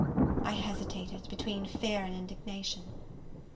I hesitated between fear and indignation.